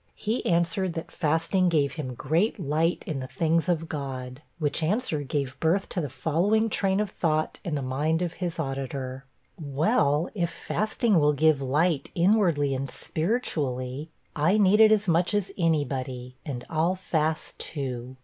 He answered, that fasting gave him great light in the things of God; which answer gave birth to the following train of thought in the mind of his auditor: 'Well, if fasting will give light inwardly and spiritually, I need it as much as any body, and I'll fast too.